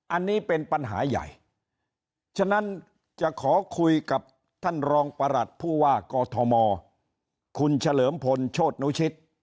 อันนี้เป็นปัญหาใหญ่ฉะนั้นจะขอคุยกับท่านรองประหลัดผู้ว่ากอทมคุณเฉลิมพลโชธนุชิต